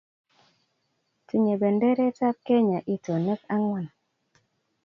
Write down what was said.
Tinyei benderetab Kenya itonwek ang'wan